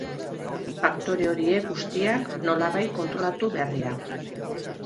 Faktore horiek guztiak nolabait kontrolatu behar dira.